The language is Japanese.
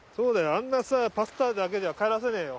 あんなさパスタだけでは帰らせねえよ。